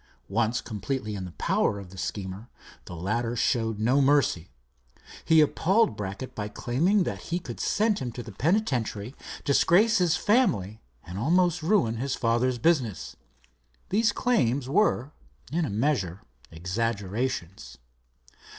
Once completely in the power of the schemer, the latter showed no mercy. He appalled Brackett by claiming that he could send him to the penitentiary, disgrace his family, and almost ruin his father's business. These claims were, in a measure, exaggerations.